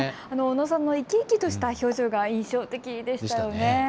小野さんの生き生きとした表情が印象的でした。